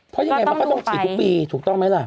เพราะยังไงมันก็ต้องฉีดทุกปีถูกต้องไหมล่ะ